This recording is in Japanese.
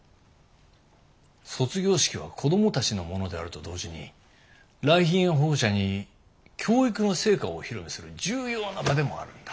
卒業式は子供たちのものであると同時に来賓や保護者に教育の成果をお披露目する重要な場でもあるんだ。